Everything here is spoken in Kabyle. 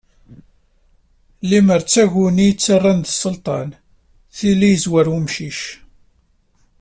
Lemmer d taguni yettarran d sselṭan, tili yezwer umcic.